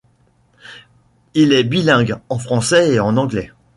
Il est bilingue, en français et en anglais.